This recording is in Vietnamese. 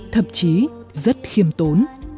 thậm chí rất khiêm tốn